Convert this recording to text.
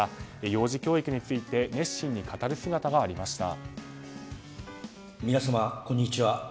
幼児教育について熱心に語る姿がありました。